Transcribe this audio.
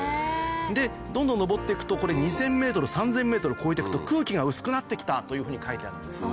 でどんどん上っていくと２０００ｍ３０００ｍ越えていくと「空気がうすくなってきた」というふうに書いてあるんです。